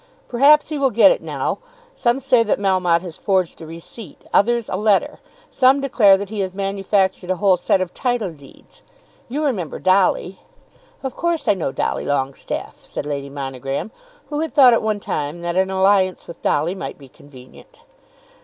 "Perhaps he will get it now. Some say that Melmotte has forged a receipt, others a letter. Some declare that he has manufactured a whole set of title deeds. You remember Dolly?" "Of course I know Dolly Longestaffe," said Lady Monogram, who had thought at one time that an alliance with Dolly might be convenient.